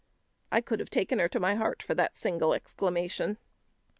I could have taken her to my heart for that single exclamation.